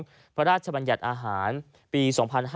พระราชบัญญัติอาหารปี๒๕๕๙